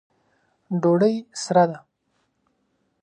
ډوډۍ سره ده